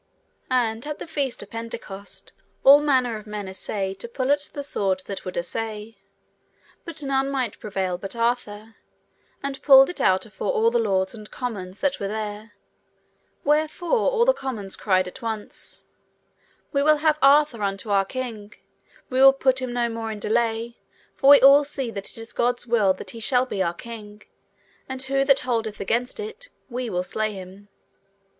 And at the feast of Pentecost all manner of men assayed to pull at the sword that would assay; but none might prevail but Arthur, and pulled it out afore all the lords and commons that were there, wherefore all the commons cried at once, We will have Arthur unto our king, we will put him no more in delay, for we all see that it is God's will that he shall be our king, and who that holdeth against it, we will slay him.